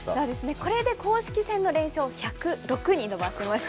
これで公式戦の連勝、１０６に伸ばしました。